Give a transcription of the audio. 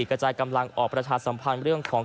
กระจายกำลังออกประชาสัมพันธ์เรื่องของ